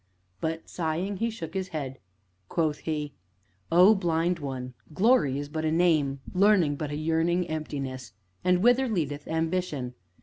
But, sighing, he shook his head; quoth he: "O Blind One! Glory is but a name, Learning but a yearning emptiness, and whither leadeth Ambition?